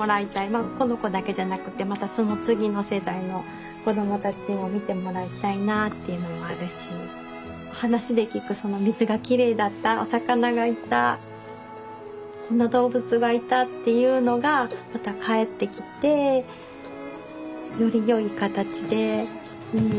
まあこの子だけじゃなくてまたその次の世代の子供たちにも見てもらいたいなあっていうのもあるし話で聞く水がきれいだったお魚がいたこんな動物がいたっていうのがまた帰ってきてよりよい形でうん。